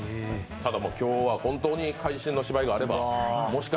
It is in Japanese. ただ、今日は本当に会心の芝居があれば。